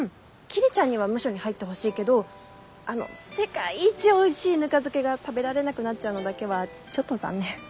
桐ちゃんにはムショに入ってほしいけどあの世界一おいしいぬか漬けが食べられなくなっちゃうのだけはちょっと残念。